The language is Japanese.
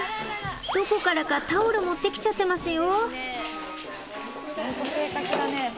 どこからかタオル持ってきちゃってますよ。